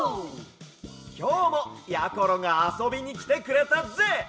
きょうもやころがあそびにきてくれたぜ！